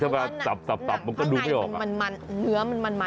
เพราะว่าฝั่งในมั้นมันเนื้อมันนะ